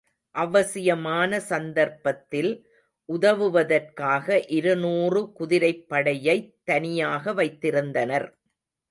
அவசியமான சந்தர்ப்பத்தில், உதவுவதற்காக இருநூறு குதிரைப் படையைத் தனியாக வைத்திருந்தனர்.